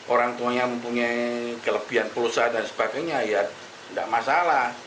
orang tuanya mempunyai kelebihan pulsa dan sebagainya ya tidak masalah